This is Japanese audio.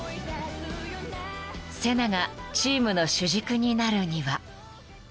［セナがチームの主軸になるには］